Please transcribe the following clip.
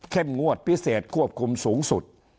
งวดพิเศษควบคุมสูงสุด